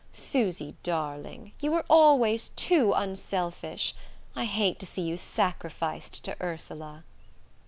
Susy darling, you were always too unselfish; I hate to see you sacrificed to Ursula."